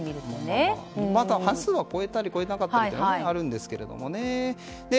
半数は超えたり超えなかったりとあるんですけどね。